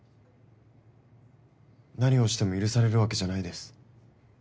何をしても許されるわけじゃないです。